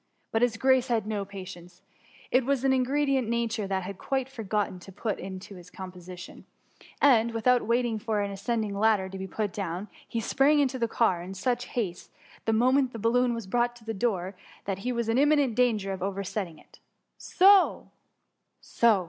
But his Grace had no patience ; it was an ingredient Nature had quite forgotten to put into his composition ; and, without wait ing for the ascending ladder to be put down, he sprang into the car in such haste the moment the balloon was brought to the door^ that he was in imminent danger of oversetting it. ^^ So!